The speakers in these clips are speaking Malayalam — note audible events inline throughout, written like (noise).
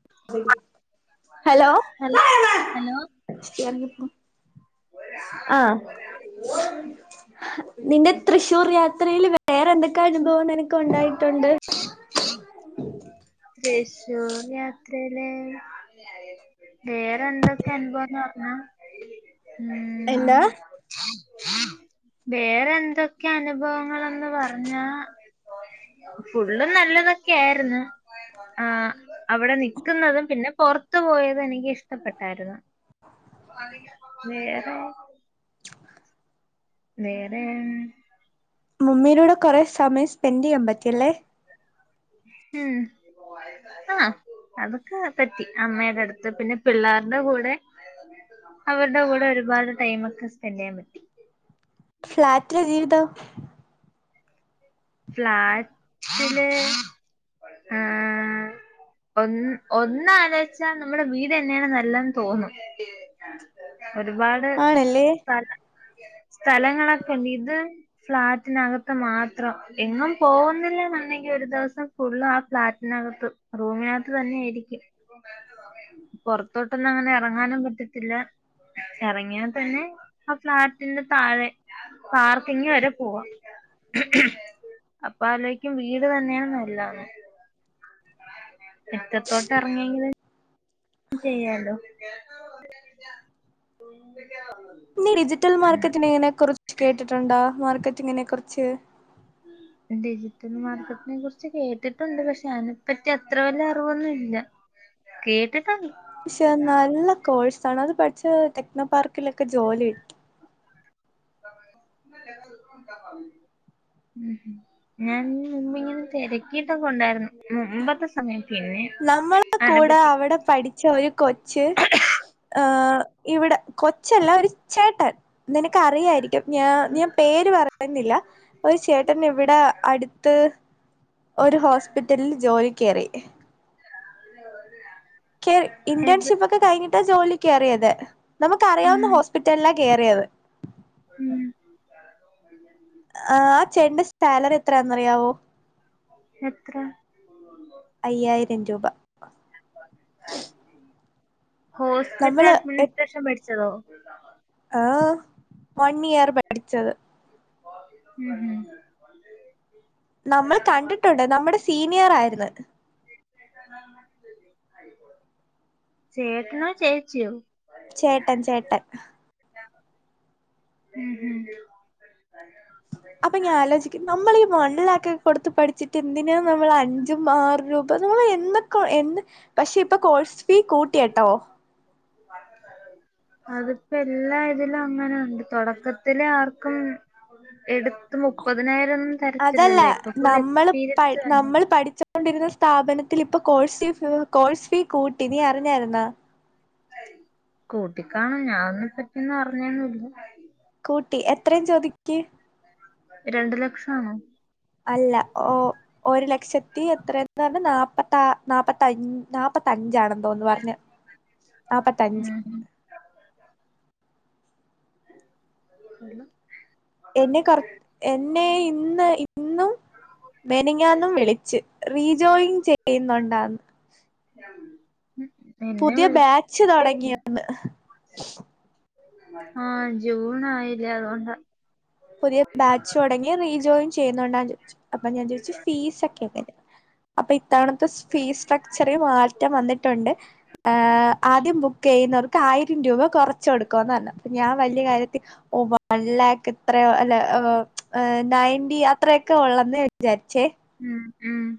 (inaudible) ഹലോ ഹലോ ഹലോ ആ നിന്റെ തൃശ്ശൂർ യാത്രയില് വേറെന്തൊക്കെ അനുഭവം നിനക്ക് ഉണ്ടായി ട്ടൊണ്ട്. തൃശൂർ യാത്രയിലെ വേറെന്തൊക്കെ അനുഭവംന്ന് പറഞ്ഞാ എന്നാ വേറെന്തൊക്കെ അനുഭവങ്ങളെന്ന് പറഞ്ഞാ ഫുള്ളും നല്ലതൊക്കെ ആരുന്നു, ആ അവിടെ നിക്കുന്നതും പിന്നെ പൊറത്ത് പോയതും എനിക്ക് ഇഷ്ടപ്പെട്ടായിരുന്നു. (unintelligible) വേറേ വേറേൻ മുമ്മീടൂടെ കൊറെ സമയം സ്പെൻഡ് ചെയ്യാൻ പറ്റിയല്ലേ? ഉം ആ അതൊക്കെ പറ്റി അമ്മയുടെ അടുത്ത് പിന്നെ പിള്ളാരുടെ കൂടെ, അവരുടെ കൂടെ ഒരുപാട് ടൈമൊക്കെ സ്പെൻഡ് ചെയ്യാൻ പറ്റി. ഫ്ലാറ്റിലെ ജീവിത ഫ്ലാറ്റില് ഏ ഒ ഒന്നാലോച്ചാ നമ്മുടെ വീട്ന്നെയാണ് നല്ലതെന്ന് തോന്നും. ഒരുപാട് ആണല്ലേ സ്ഥലം സ്ഥലങ്ങളൊക്കെണ്ട്, ഇത് ഫ്ലാറ്റിനകത്ത് മാത്രം. എങ്ങും പോകുന്നില്ലന്നൊണ്ടെങ്കി ഒരു ദിവസം ഫുള്ള് ആ ഫ്ലാറ്റിനകത്ത് റൂമിനകത്ത് തന്നെയായിരിക്കും പൊറത്തോട്ടൊന്നും അങ്ങനെ ഇറങ്ങാനും പറ്റത്തില്ല ഇറങ്ങിയാതന്നെ ആ ഫ്ലാറ്റിന്റെ താഴെ പാർക്കിങ്ങ് വരെ പോവാം അപ്പ ആലോയ്ക്കും വീട് തന്നെയാണ് നല്ലതെന്ന് മിറ്റത്തോട്ട് എറങ്ങെങ്കിലും ചെയ്യാലോ നി റിജിറ്റൽ മാർക്കറ്റിനിങ്ങനെ കൊറ കേട്ടിട്ടുണ്ടോ? അ മാർക്കറ്റിങ്ങിനെ കൊർച്ച് ഡിജിറ്റൽ മാർക്കറ്റ്നെ കുറിച്ച് കേട്ടിട്ടുണ്ട് പക്ഷെ അയിനെപ്പറ്റി അത്ര വല്ല അറിവൊന്നുല്ല കേട്ടിട്ട് ക്ഷെ നല്ല കോഴ്സ് സണവ് പഠിച്ചെ ടെക്നോ പാർക്കിലൊക്കെ ജോലി ഇട്ടി (unintelligible) ഉ ഞാൻ മുമ്പിങ്ങിനെ തിരക്കിട്ടൊക്കൊണ്ടായിര്ന്നു മുമ്പത്തെ സ് (unintelligible) ഇവിടെ കൊച്ചല്ല ഒരു ചേട്ടൻ നിനക്കറിയായിരിക്കും ഞ ഞാൻ പേര് പറയുന്നില്ല ഒരു ചേട്ടൻ ഇവിടെ അട്ത്ത് ഒരു ഹോസ്പിറ്റലിൽ ജോലി കേറി ഹ് (unintelligible) (unintelligible) എവ് ക്യറിയതെ ഉം നമുക്കറിയാവുന്ന ഹോസ്പിറ്റലില കേറിയത് ഉം ആ ചേട്ട്ന്റെ സ്റ്റാലറി എത്ര? ന്നറിയാവോ? (unintelligible) അയ്യായിരം രൂപ (unintelligible) ഹോസ്പിറ്റൽ നമ്മള് അഡ്മിനിസ്ട്രേഷൻ (unintelligible) ചെലോ ആ വൺ ഇയർ പഠിച്ചത് ഉം നമ്മൾ കണ്ടിട്ടുണ്ട് നമ്മുടെ സീനിയറായിര്ന്ന് ചേട്ടനൊ ചേച്ചിയോ ചേട്ടൻ ചേ എ ഹ് ഉം ഉം അപ്പം ഞാ ആലോചിക്കും നമ്മളീ വൺലാക്ക് കൊടുത്ത് പഠിച്ചിട്ട് എന്തിന നമ്മൾ അഞ്ചും ആറ് രൂപ നമ്മള് (unintelligible) പക്ഷേ ഇപ്പ കോഴ്സ് ഫി കൂട്ടി ട്ടോ അതിപ്പെല്ലാ ഇതിലും അങ്ങനുണ്ട് തൊടക്കത്തിലാർക്കും അതല്ല ഇപ്പൊ ഫുൾ നമ്മള് പ എക്സ്പീരിയൻസ് വേണ്ടേ നമ്മൾ പഠിച്ച്ഒണ്ടിരുന്ന സ്ഥാപനത്തിലിപ്പൊ കോഴ്സ്യു ഫു കോഴ്സ് ഫീ കൂട്ടി നീ അറിഞ്ഞാര്ന്നാ കൂട്ടിക്കാണും ഞാതിനെ പറ്റിന്നറിഞ്ഞൊന്നില്ല കൂട്ടി എത്രെ ചോദിക്ക് രണ്ട് ലക്ഷം ആണോ അല്ല ഓ ഒരു ലക്ഷത്തി എത്രെന്ന് പർണേ നാപ്പത്താറാ നാപ്പത്തഞ്ച നാപത്തഞ്ചാണേന്ന് തോന്ന് പറഞ്ഞ് നാപ്പത്തഞ്ച് ഉം എന്നെ കർ എന്നെ ഇന്ന് ഇന്നും മെനഞാന്നും വിളിച്ച് റീജോയിങ് ചെയ്യുന്നുണ്ടോന്ന് എന്നെ പുതിയ ബാച്ച് വിളിച്ചിട്ടേ തുടങ്ങിയെന്ന് ആ ജൂൺ ആയില്ലേ അതുകൊണ്ടാ പുതിയ ബാച്ച് തൊടങ്ങി റീജോയിൻ ചെരുന്നുണ്ടോന്ന് ചോയിച്ചു അപ്പൊ ഞാൻ ചോയിച്ചു ഫീസൊക്കെ എങ്ങനെ അപ്പൊ ഇ തവണത്തെ ഫീസ് സ്ട്രക്ചറെ മാറ്റം വന്നിട്ടുണ്ട് ഏ ആദ്യം ബുക്ക് ചെയ്യുന്നവർ ക്ക് ആയിരം രൂപ കൊറച്ച് കൊടുക്കുന്ന് പറഞ്ഞു അപ്പം ഞാൻ വല്ലിയ കാര്യത്തിൽ ഓ വൺ ലാക്ക് അത്രയോ അല്ലോ ഓ നയെന്റി അത്രയൊക്കെ ഒള്ളെന്ന് വിചാരിച്ചേ ഉം ഉം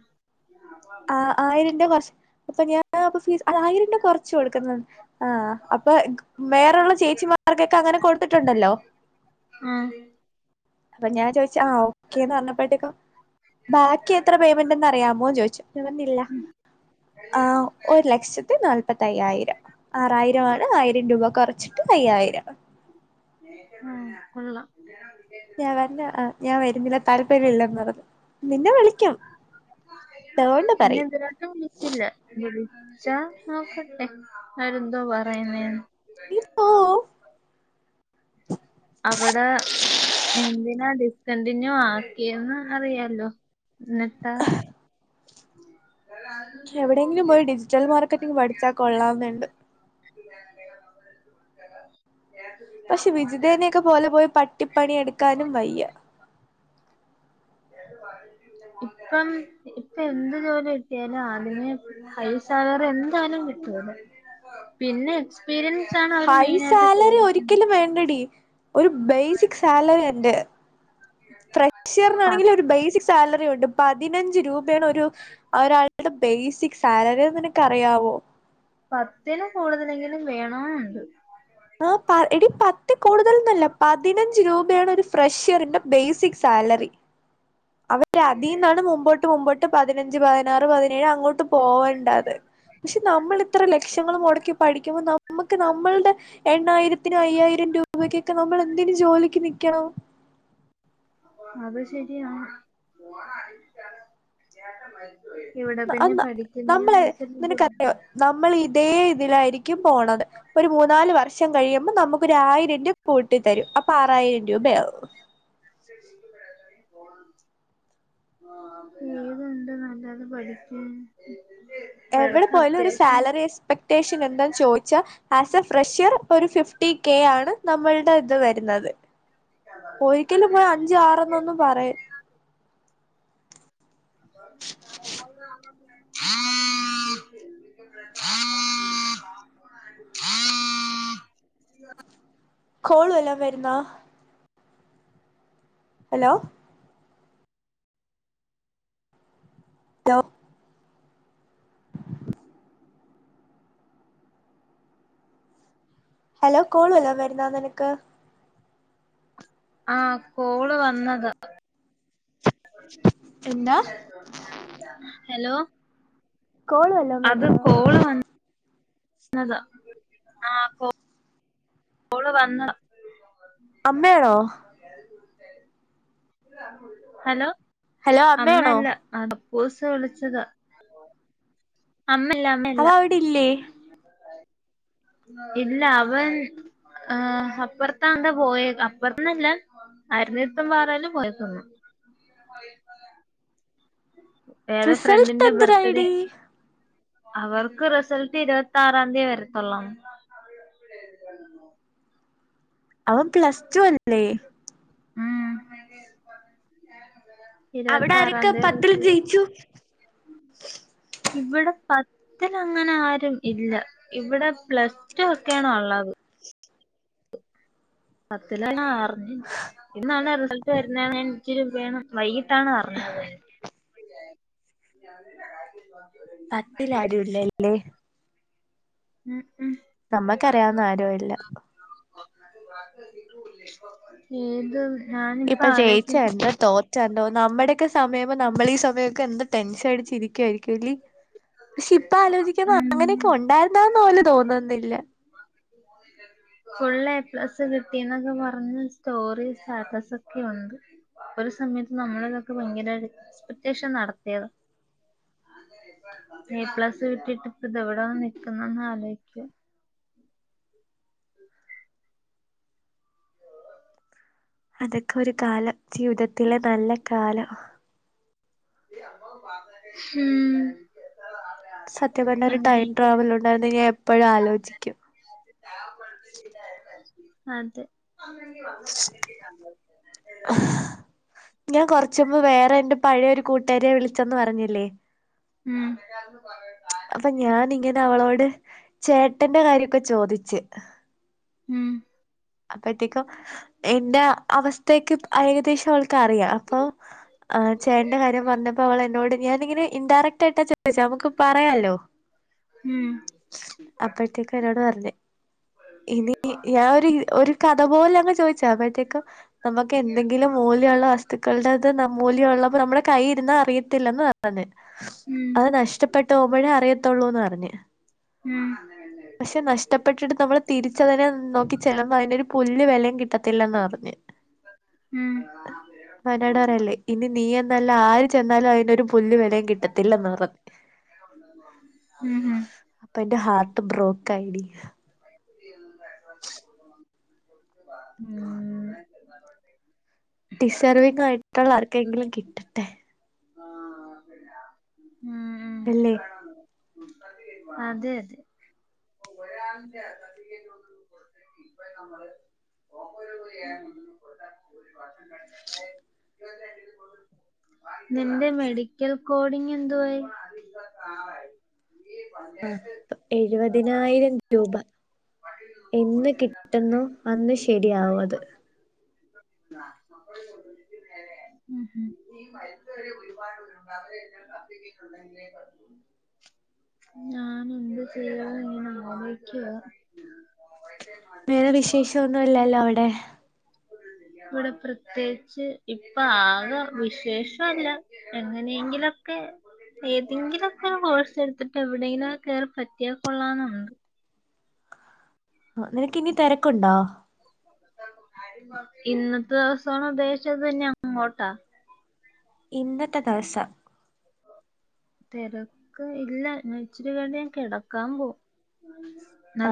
ആ ആയിരം രൂവ കൊർ അപ്പൊ ഞാനപ്പൊ ഫീസ് ആയിരം രൂപ കൊറച്ച് കൊട് ക്ക്ന്നത് ആ അപ്പൊ ക്ക് വേറോള്ള ചേച്ചിമാർക്കൊക്കെ അങ്ങനെ കൊട്ത്തിട്ടുണ്ടല്ലോ ആഹ് അപ്പൊ ഞാൻ ചോയിച്ച് ആ ഓക്കേന്ന് പർണപ്പഴത്തെക്കും ബാക്കി എത്ര പേയ്‌മെന്റെന്ന് അറിയാമോ ന്ന് ചോയിച്ചു ഞാൻ പറഞ്ഞു ഇല്ല ആ ഒരു ലക്ഷത്തി നാല് മുപ്പത്തയ്യായിരം ആറായിരം ആണ് ആയിരം രൂപ കൊറച്ചിട്ട് അയ്യായിരം ആ കൊള്ളാം ഞാൻ പറഞ്ഞു ആ ഞാൻ വരുന്നില്ല താല്പര്യം ഇല്ലെന്ന് പറഞ്ഞു നിന്നെ വിളിക്കും അതുകൊണ്ട് ഇന്നെ പറയും എന്തിലോട്ടും വിളിച്ചില്ല ച്ചാ നോക്കട്ടെ അവര് എന്തോ പറയുന്നേന്ന് നീ പോ കണ്ടിന്യൂ ആക്കിയെന്ന് അറിയാലോ ന്നിട്ടാ എവിടെയെങ്കിലും പോയി ഡിജിറ്റൽ മാർക്കറ്റിംഗ് പഠിച്ചാ കൊള്ളാവെന്നുണ്ട് പക്ഷെ വിജിതേനെയൊക്കെ പോലെ പോയി പട്ടിപ്പണിയെടുക്കാനും വയ്യ ഇപ്പം ഇപ്പ എന്ത് ജോലി കിട്ടിയാലും ആദ്യമേ ഹൈ സാലറി എന്തായാലും കിട്ടൂലാ പിന്നെ എക്സ്പീരിയൻസ് ആണ് അവര് ഹൈ മെയിനായിട്ട് സാലറി ചോദിക്കുന്നത് ഒരിക്കലും വേണ്ടടി ഒരു ബേസിക് സാലറി ഉണ്ട് പ ഫ്രഷ്യറിനാണെങ്കിൽ ഒരു ബേസിക് സാലറി ഉണ്ട് പതിനഞ്ച് രൂപയാണ് ഒരു ഒരാളുടെ ബേസിക് സാലറിന്ന് അത് നിനക്ക് അറിയാവോ പത്തിന് കൂടുതലെങ്കിലും വേണമുണ്ട് ആ എടി പത്തിൽ കൂടുതൽന്നല്ല പതിനഞ്ച് രൂപയാണ് ഒരു ഫ്രഷ്യറിന്റെ ബേസിക് സാലറി അവര് അതിന്നാണ് മുമ്പോട്ട് മുമ്പോട്ട് പതിനഞ്ച് പതിനാറ് പതിനേഴ് അങ്ങോട്ട് പോവേണ്ടത് പക്ഷെ നമ്മൾ ഇത്ര ലക്ഷങ്ങൾ മുടക്കി പഠിക്കുമ്പോ നമുക്ക് നമ്മൾടെ എണ്ണായിരത്തിന് അയ്യായിരം രൂപക്കൊക്കെ നമ്മൾ എന്തിന് ജോലിക്ക് നിക്കണം അത് ശരിയാാണ് ആ നമ്മളെ നിനക്കറിയോ ജോലിയില്ല നമ്മൾ ഇതേ ഇതിലായിരിക്കും പോണത് ഒരു മൂന്നാല് വർഷം കഴിയുമ്പോ നമുക്ക് ഒരു ആയിരം രൂപ കൂട്ടി തരും അപ്പൊ ആറായിരം രൂപയാവും ഏതുണ്ട് നല്ലത് പഠിക്കാൻ എവിടെ ഇവൾക്ക് പോയാലും ഒരു അത്യാവശ്യം സാലറി എക്സ്പെക്റ്റേഷൻ എന്താന്ന് ചോദിച്ചാൽ ആസ് എ ഫ്രഷ്യർ ഒരു ഫിഫ് കെ ആണ് നമ്മളുടെ ഇത് വരുന്നത് ഒരിക്കലും പോയി അഞ്ചു ആറന്നൊന്നും പറയ (inaudible) കോളു വല്ലോം വരുന്നാ ഹലോ (unintelligible) ഹലോ കോളു വല്ലോ വരുന്നാ നിനക്ക് ആഹ കോള് വന്നതാ എന്താ ഹലോ കോളു വല്ലോം വരുന്നുണ്ടോ അതാ ആഹ കോ കോള് വന്ന് അമ്മയാണോ ഹലോ ഹലോ അമ്മ അമ്മയാണോ അല്ല ബോസ് വിളിച്ചതാ അമ്മയല്ല അമ്മയല്ല അവ അവിടെ ഇല്ലേ ഇല്ല അവൻ അ അപ്പുറത്തന്താണ്ട പോയി അപ്പുറത്തന്നുല്ലാ ആരുടെത്തും പറയാതാ പോയേക്കന്നും റിസൾട്ട് ബർത്ത്ഡേ എന്തരായടി അവർക്ക് റിസൾട്ട് ഇരുപത്തി ആറാം തീയതി വരുതൊള്ളോന്ന് അവൻ പ്ലസ്ടു അല്ലേ ഉം അവിടെ ഇരുപത്തി ആറാം ആരൊക്കെ തീയതി പത്തിൽ റിസൽറ്റ്, ജയിച്ചു ഇവിടെ ഇവിടെ അങ്ങനെ ആരും ഇല്ല, ഇവിടെ പ്ലസ് ടു ഒക്കെയാണോ ഉള്ളത് പത്തില് ഇന്നാണെ, റിസൾട്ട് വരുന്നേന്ന് ഞാൻ ഇച്ചിരി മു വേണം വൈക വൈകിട്ടാണ് അറിഞ്ഞത്. (unintelligible) പത്തിൽ ആരുവില്ലല്ലേ. ഉം നമ്മക്കറിയാവുന്ന ആരും ഇല്ല ഏത് ഞാനിപ്പോ ഇപ്പൊ ആലോചിക്കുന്ന ജയിച്ചണ്ടോ തോറ്റ ഉണ്ടോ നമ്മുടെയൊക്കെ സമയം ആവുമ്പോ നമ്മളീ സമയമൊക്കെ എന്ത് ടെൻഷൻ അടിച്ച് ഇരിക്കുവായിരിക്കും അല്ലേ പക്ഷെ ഇപ്പ ആലോചിക്കുമ്പൊ, ഉം അങ്ങനെയൊക്കെ ഉണ്ടായിരുന്നോന്ന് പോലും തോന്നുന്നില്ല. ഫുൾ എ പ്ലസ് കിട്ടിന്നൊക്കെ പറഞ്ഞ് സ്റ്റോറി, സ്റ്റാറ്റസ് ഒക്കെ ഉണ്ട്, ഒരു സമയത്ത് നമ്മൾ ഇതൊക്കെ ഭയങ്കര എക്സ്പെക്ടേഷൻ നടത്തിയതാ. എ പ്ലസ് കിട്ടിട്ട്, ഇപ്പ ഇതെവിടാ നിക്കുന്നേന്ന് ആലോചിക്കാ. അതൊക്കെ ഒരു കാലം ജീവിതത്തിലെ നല്ല കാലം. ഉം സത്യം പറഞ്ഞാ ഒരു ടൈം എങ്ങനെയെങ്കിലും ട്രാവൽ ഉണ്ടായിരുന്നെ ഞാൻ എപ്പഴും ആലോചിക്കും അതെ (inaudible) ഞാൻ കൊറച്ച് മുമ്പ് വേറെ ന്റെ പഴയൊരു കൂട്ടുകരിയെ വിളിച്ചന്ന് പറഞ്ഞില്ലേ ഉം അപ്പൊ ഞാനിങ്ങനെ അവളോട് ചേട്ടന്റെ കാര്യൊക്കെ ചോദിച്ച് ഉം അപ്പത്തേക്കും എന്റെ അവസ് (unintelligible) ഏകദേശം അവൾക്ക് അറിയാം, അപ്പൊ ആഹ് ചേട്ടന്റെ കാര്യം പറഞ്ഞപ്പോ അവൾ എന്നോട് ഞാാനിങ്ങനെ ഇൻഡയറക്ട് ആയിട്ടാ ചോദിച്ചേ, നമുക്ക് പറയാലോ. ഉം ഉം അപ്പോഴത്തേക്ക് എന്നോട് പറഞ്ഞ്, ഇനി ഞാൻ ഒരു ഒരു കഥ പോലെ അങ്ങ് ചോദിച്ചയാ അപ്പോഴത്തേക്കും നമുക്ക് എന്തെങ്കിലും മൂല്യമുള്ള വസ്തുക്കളുടെത് ന മൂല്യം ഉള്ളപ്പോ നമ്മുടെ കൈയിരുന്ന അ (unintelligible) പറഞ്ഞ് ഉം അത് നഷ്ടപ്പെട്ട് പോകുമ്പോഴേ അറിയ ത്തൊള്ളൂന്ന് പറഞ്ഞ് ഉം പക്ഷെ നഷ്ടപ്പെട്ടിട്ട് നമ്മള് തിരിച്ചതിനെ നോക്കി ചെല്ലുമ്പോ, അതിനൊരു പുല്ല് വിലയും കിട്ടത്തില്ലന്ന് പറഞ്ഞ്. (unintelligible) ഇനി നീ എ ഇതല്ല ആര് ചെന്നാലും അതിനൊരു പുല്ല് വിലയും കിട്ടത്തില്ലന്ന് പറഞ്ഞ് ഉം ഉം അപ്പൊ എന്റെ ഹാർട്ട് ബ്രോക്ക് ആയി ടി ഡിസേർവിങ് ആയിട്ടുള്ള ആർക്കെങ്കിലും കിട്ടട്ടെ മ് അല്ലേ അതേ (unintelligible) നിന്റെ മെഡി ക്കൽ കോഡിങ് എന്തുവായി ആ പ എഴുപതിനായിരം രൂപ എന്ന് കിട്ടുന്നു അന്ന് ശരിയാവും അത് ഞാനുണ്ട് ചേരാൻ ഞാൻ ആഗ്രഹിക്ക വേറെ വിശേഷം ഒന്നും ഇല്ലല്ലോ അവിടെ ഇവിടെ പ്രത്യേകിച്ച് ഇപ്പൊ ആക വിശേഷല്ല എങ്ങനെയെങ്കിലൊക്കെ ഏതെങ്കിലുംക്കെ കോഴ്സ് എടുത്തിട്ട് എവിടെയെങ്കിലും കയറി പറ്റിയാൽ കൊള്ളന്നുണ്ട് നിനക്ക് ഇനി തിരക്കുണ്ടോ ഇന്നത്തെ ദിവസോണ ഉദ്ദേശിച്ചത് ഇനി അങ്ങോട്ടാ ഇന്നത്തെ ദിവസം തിരക്ക് ഇല്ല ഇച്ചിരി കഴിഞ്ഞ ഞാൻ കിടക്കാൻ പോവും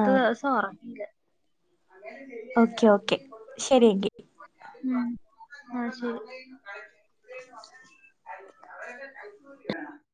ആ ദിവസം ഉറങ്ങീല അങ്ങനെ ശരിയായിട്ട് അ ഓക്കെ ഓക്കെ കൊണ്ട് ശരി എങ്കിൽ മ് അ ശെരി